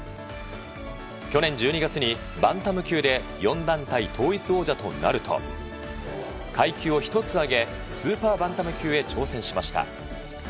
去年１２月にバンタム級で４団体統一王者となると階級を１つ上げスーパーバンタム級へ挑戦しました。